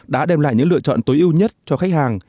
đã đem lại những lựa chọn tối ưu nhất cho khách hàng